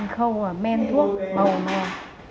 khâu men thuốc màu màu